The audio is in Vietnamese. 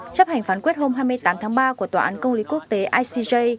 chấp hành phán quyết hôm hai mươi tám tháng ba của tòa án công lý quốc tế icj